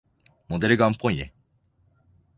モデルガンっぽいね。